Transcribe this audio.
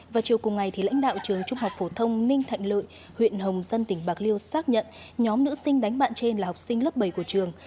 và chiều cùng ngày lãnh đạo trường trung học phổ thông ninh thạnh lợi huyện hồng dân tỉnh bạc liêu xác nhận nhóm nữ sinh đánh bạn trên là học sinh lớp bảy của trường